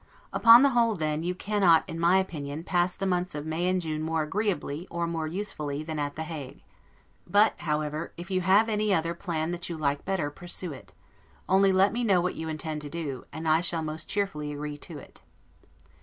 Upon the whole, then, you cannot, in my opinion, pass the months of May and June more agreeably, or more usefully, than at The Hague. But, however, if you have any other, plan that you like better, pursue it: Only let me know what you intend to do, and I shall most cheerfully agree to it.